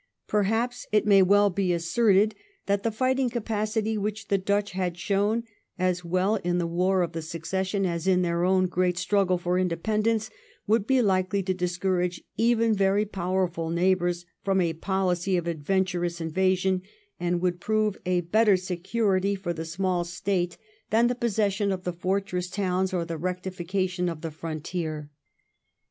Perhaps, too, it may well be asserted that the fighting capacity which the Dutch had shown, as well in the War of the Succession as in their own great struggle for independence, would be likely to discourage even very powerful neighbours from a policy of adventurous invasion, and would prove a better security for the small State than the 138 THE REIGN OF QUEEN ANNE. ch. xxtii. possession of the fortress towns or the rectification of the frontier.